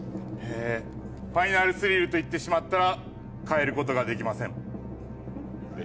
ファイナルスリルと言ってしまったら変えることはできません。